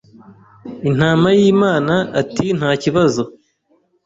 intama y ’Imana ati nta kibazo.